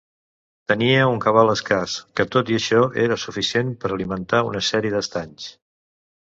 Tenia un cabal escàs, que tot i això era suficient per alimentar una sèrie d'estanys.